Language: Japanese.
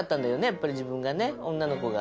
やっぱり自分がね女の子が。